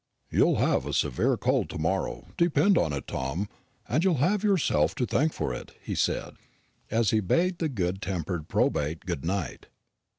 "You'll have a severe cold to morrow, depend upon it, Tom, and you'll have yourself to thank for it," he said, as he bade the good tempered reprobate good night.